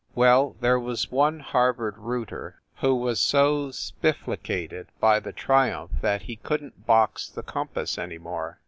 Well, there was one Harvard rooter who was so spifflicated by the triumph that he couldn t box the compass any more.